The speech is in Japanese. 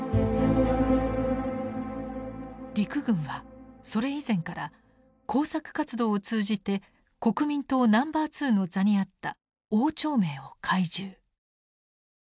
陸軍はそれ以前から工作活動を通じて国民党ナンバー２の座にあった汪兆銘を懐柔。